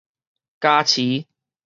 加持